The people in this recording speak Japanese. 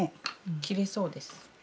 きれいそうです。